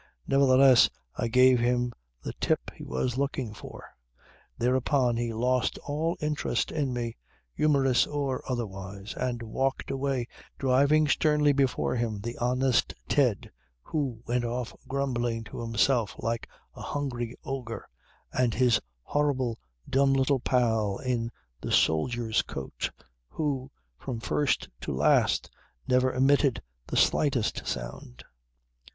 Nevertheless I gave him the tip he was looking for. Thereupon he lost all interest in me, humorous or otherwise, and walked away driving sternly before him the honest Ted, who went off grumbling to himself like a hungry ogre, and his horrible dumb little pal in the soldier's coat, who, from first to last, never emitted the slightest sound.